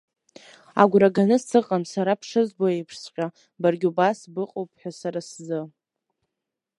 Агәра ганы сыҟан, сара бшызбо еиԥшҵәҟьа, баргьы убас быҟоуп ҳәа сара сзы.